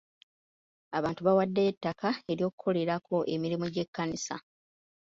Abantu bawaddeyo ettaka ery'okukolerako emirimu gy'ekkanisa.